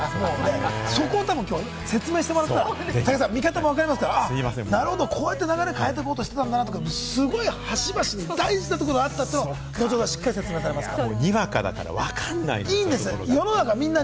そこをきょう説明してもらったら、武田さん見かたもわかりますから、こうやって流れを変えていこうとしてたんだなって、端々に大事なところがあるということを後ほど、しっかり説明されますから。